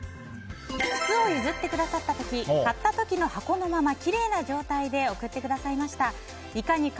靴を譲ってくださった時買った時の箱のままきれいな状態で送ってくださいました。